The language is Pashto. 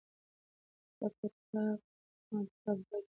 حساب کتاب مې د کال په پای کې بیا وڅارلو.